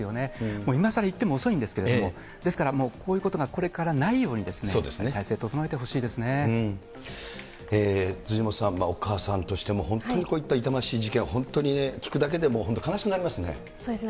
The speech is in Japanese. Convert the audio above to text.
もういまさら言っても遅いんですけれども、ですから、こういうことがこれからないように、辻元さん、お母さんとしても本当にこういった痛ましい事件は、本当に聞くだそうですね。